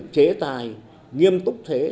chế tài nghiêm túc thế